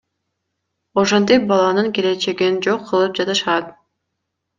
Ошентип баланын келечегин жок кылып жатышат.